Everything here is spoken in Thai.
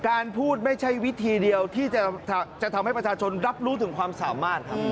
การพูดไม่ใช่วิธีเดียวที่จะทำให้ประชาชนรับรู้ถึงความสามารถครับ